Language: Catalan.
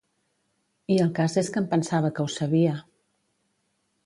I el cas és que em pensava que ho sabia.